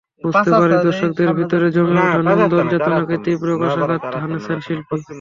বুঝতে পারি, দর্শকদের ভেতরে জমে ওঠা নন্দন চেতনাকে তীব্র কশাঘাত হানছেন শিল্পী।